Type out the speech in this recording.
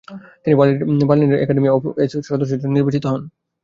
তিনি বার্লিনের Prussian academy of সায়েন্সেস-এ সদস্যপদের জন্য নির্বাচিত হন।